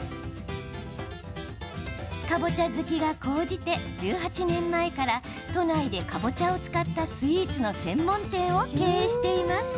かぼちゃ好きが高じて１８年前から都内でかぼちゃを使ったスイーツの専門店を経営しています。